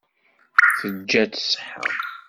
Teǧǧa-tt ṣṣeḥḥa.